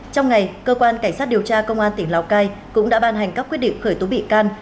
trong ngày cơ quan cảnh sát điều tra công an tỉnh lào cai cũng đã ban hành các quyết định khởi tố bị can